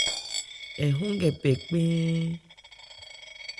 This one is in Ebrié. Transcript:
Ɛ hɔ́n nkɛ pɛ kpɛ́ɛ́n.